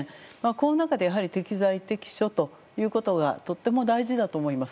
この中でやはり適材適所ということがとっても大事だと思います。